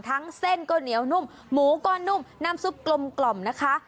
เส้นก็เหนียวนุ่มหมูก็นุ่มน้ำซุปกลมนะคะ